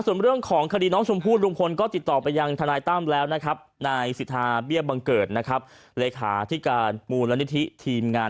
ส่วนเรื่องของคดีน้องชมพูดลุงพลก็ติดต่อไปยัง